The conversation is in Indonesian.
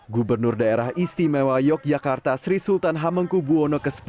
gubernur daerah istimewa yogyakarta sri sultan hamengku buwono x